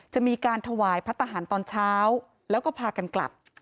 จะมีการถวายพระทหารตอนเช้าแล้วก็พากันกลับ